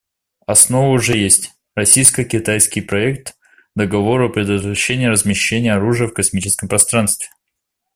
Основа уже есть — российско-китайский проект договора о предотвращении размещения оружия в космическом пространстве.